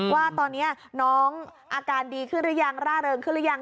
ว่าตอนนี้น้องอาการดีขึ้นหรือยังร่าเริงขึ้นหรือยัง